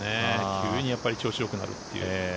急に調子がよくなるっていう。